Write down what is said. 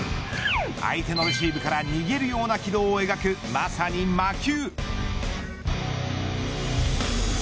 相手のレシーブから逃げるような軌道を描く、まさに魔球。